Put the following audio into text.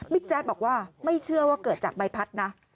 แจ๊ดบอกว่าไม่เชื่อว่าเกิดจากใบพัดนะ